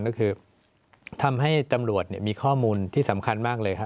ก็คือทำให้ตำรวจมีข้อมูลที่สำคัญมากเลยครับ